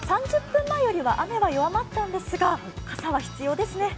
３０分前よりは雨は弱まったんですが、傘は必要ですね。